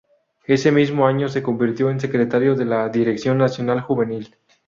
Ese mismo año se convirtió en secretario de la dirección Nacional Juvenil.